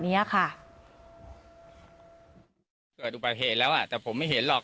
เนี้ยค่ะเกิดอุบัติเหตุแล้วอ่ะแต่ผมไม่เห็นหรอก